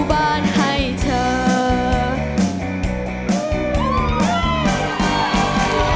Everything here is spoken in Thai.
อยู่ประจำจนเช้าทุกวัน